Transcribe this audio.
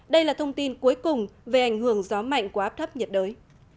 đây là thông tin cuối cùng về ảnh hưởng gió mạnh của áp thấp nhiệt đới